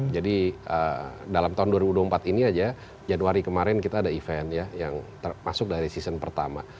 jadi dalam tahun dua ribu dua puluh empat ini aja januari kemarin kita ada event ya yang masuk dari season pertama